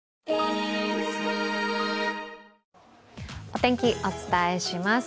お天気、お伝えします。